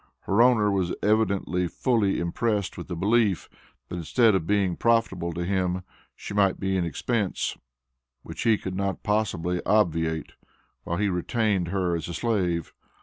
Her owner was evidently fully impressed with the belief that instead of being profitable to him, she might be an expense, which he could not possibly obviate, while he retained her as a slave.